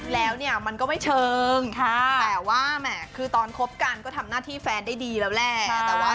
แล้วมันก็ไม่เชิงแต่ว่าตอนคบกันก็ทำหน้าที่แฟนได้ดีแล้วแหละ